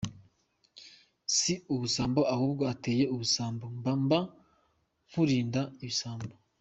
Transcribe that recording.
Si ubusambo ahubwo ateye ubusambo, mba mba nkurinda ibisambo.